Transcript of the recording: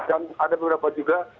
dan ada beberapa juga